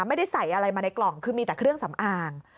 ไม่ได้ใส่อะไรมาในกล่องคือมีแต่เครื่องสำอาง